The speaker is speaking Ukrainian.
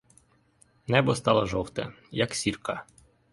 Небо стало жовте, як сірка.